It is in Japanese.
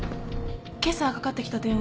けさかかってきた電話。